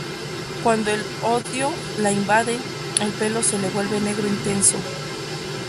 Cuando el odio la invade, el pelo se le vuelve negro intenso.